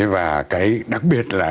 và đặc biệt là